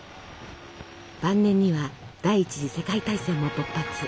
晩年には第１次世界大戦も勃発。